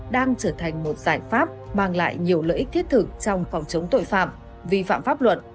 đang trở thành một giải pháp mang lại nhiều lợi ích thiết thực trong phòng chống tội phạm vi phạm pháp luật